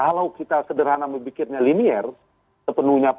kalau kita sederhana memikirnya